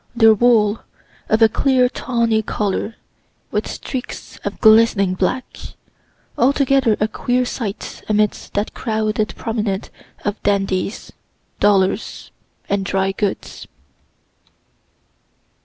Their wool, of a clear tawny color, with streaks of glistening black altogether a queer sight amidst that crowded promenade of dandies, dollars and dry goods.